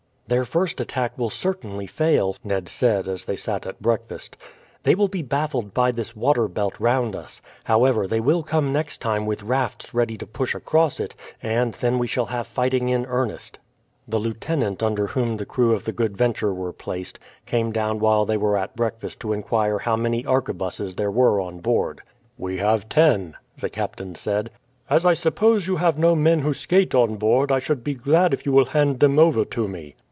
"Their first attack will certainly fail," Ned said, as they sat at breakfast. "They will be baffled by this water belt round us. However, they will come next time with rafts ready to push across it, and then we shall have fighting in earnest." The lieutenant under whom the crew of the Good Venture were placed, came down while they were at breakfast to inquire how many arquebuses there were on board. "We have ten," the captain said. "As I suppose you have no men who skate on board, I should be glad if you will hand them over to me."